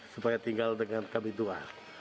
supaya tinggal dengan kabin dua